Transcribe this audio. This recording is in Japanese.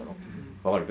分かるべ？